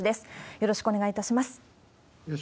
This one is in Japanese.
よろしくお願いします。